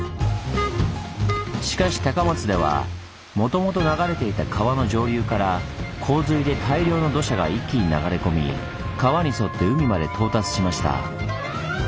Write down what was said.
しかし高松ではもともと流れていた川の上流から洪水で大量の土砂が一気に流れ込み川に沿って海まで到達しました。